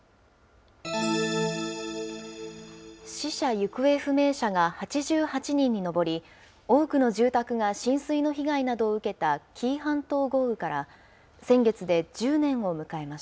死者・行方不明者が８８人に上り、多くの住宅が浸水の被害などを受けた紀伊半島豪雨から、先月で１